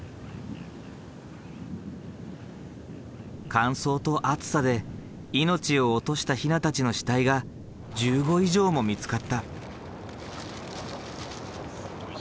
乾燥と暑さで命を落としたヒナたちの死体が１５以上も見つかった。